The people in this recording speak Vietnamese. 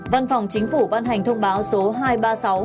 văn phòng chính phủ ban hành thông báo số hai trăm ba mươi sáu